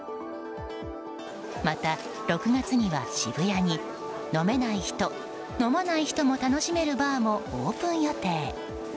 また６月には、渋谷に飲めない人、飲まない人も楽しめるバーもオープン予定。